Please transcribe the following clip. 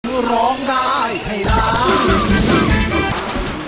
คือร้องได้ให้ล้าน